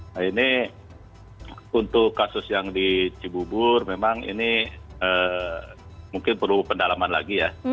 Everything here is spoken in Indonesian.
nah ini untuk kasus yang di cibubur memang ini mungkin perlu pendalaman lagi ya